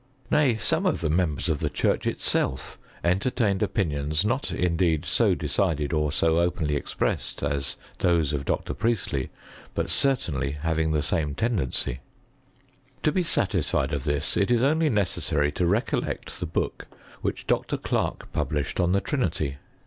Nay, some of ths members of the church itself entertained opinions, not indeed so decided or so openly expressed as.' those of Dr. Priestley, but certainly having the ssma, tendency. To be satisfied of this it is only neceS" sary to recollect the book which Dr. Clarke pub lished on the Trinity.